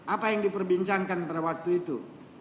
apa yang diperbincangkan pada waktu itu